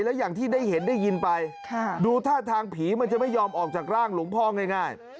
แล้วอย่างที่ได้เห็นได้ยินไปดูท่าทางผีมันจะไม่ยอมออกจากร่างหลวงพ่อง่าย